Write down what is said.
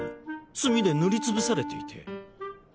スミで塗りつぶされていて。